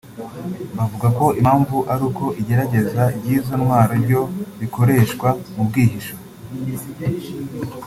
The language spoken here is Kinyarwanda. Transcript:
Buvuga ko impamvu ari uko igerageza ry’izo ntwaro ryo rikorerwa mu bwihisho